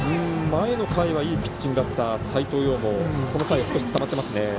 前の回はいいピッチングだった斎藤蓉もこの回は少しつかまってますね。